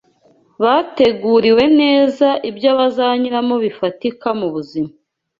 bateguriwe neza ibyo bazanyuramo bifatika mu buzima